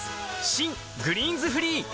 新「グリーンズフリー」